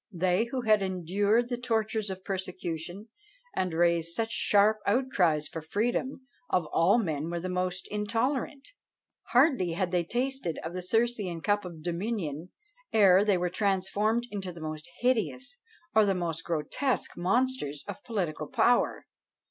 " When presbytery was our lord, they who had endured the tortures of persecution, and raised such sharp outcries for freedom, of all men were the most intolerant: hardly had they tasted of the Circean cup of dominion, ere they were transformed into the most hideous or the most grotesque monsters of political power.